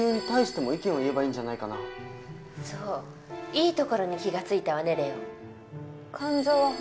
いいところに気が付いたわね礼央。